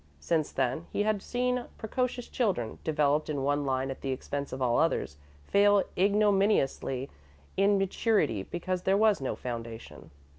Since then, he had seen precocious children, developed in one line at the expense of all others, fail ignominiously in maturity because there was no foundation.